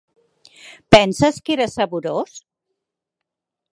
Penses que era saborós?